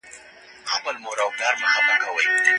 موږ به په راتلونکي کې نورې بریاوې هم ولرو.